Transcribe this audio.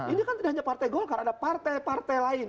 ini kan tidak hanya partai golkar ada partai partai lain